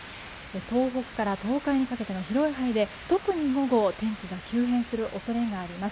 東北から東海にかけては広い範囲で特に午後天気が急変する恐れがあります。